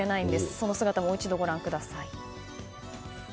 その姿をもう一度ご覧ください。